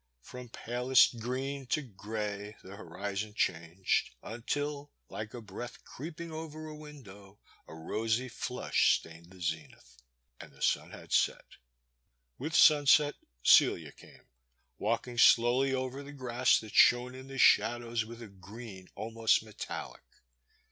From palest green to grey the horizon changed until, like a breath creeping over a window, a rosy flush stained the zenith. And the sun had set. With sunset Celia came, walking slowly over the grass that shone in the shadows with a green almost metallic.